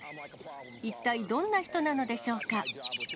一体どんな人なのでしょうか。